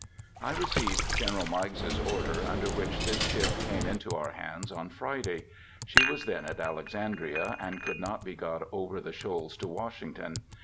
I received General Meigs's order under which this ship came into our hands on Friday. She was then at Alexandria, and could not be got over the shoals to Washington.